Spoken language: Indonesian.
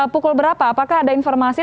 pukul berapa apakah ada informasi